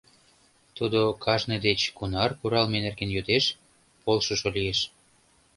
Тудо кажне деч кунар куралме нерген йодеш, полшышо лиеш.